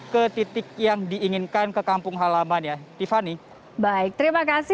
ketika terjadi kecelakaan pelaku perjalanan tersebut akan berubah menjadi lebih cepat